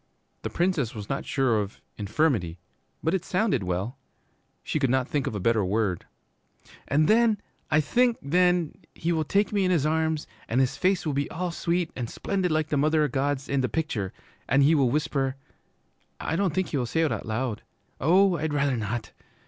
"' The Princess was not sure of 'infirmity,' but it sounded well. She could not think of a better word. 'And then I think then he will take me in his arms, and his face will be all sweet and splendid like the Mother o' God's in the picture, and he will whisper, I don't think he will say it out loud, oh, I'd rather not!